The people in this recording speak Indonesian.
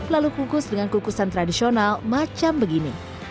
lalu kukus dengan kukusan tradisional macam begini